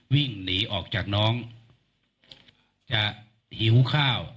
วิ่งหนีออกจากน้องจะหิวข้าว